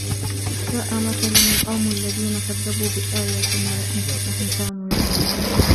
سَاءَ مَثَلًا الْقَوْمُ الَّذِينَ كَذَّبُوا بِآيَاتِنَا وَأَنْفُسَهُمْ كَانُوا يَظْلِمُونَ